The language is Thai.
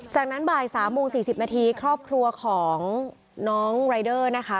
จากนั้นบ่าย๓โมง๔๐นาทีครอบครัวของน้องรายเดอร์นะคะ